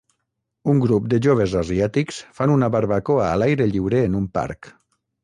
Un grup de joves asiàtics fan una barbacoa a l'aire lliure en un parc.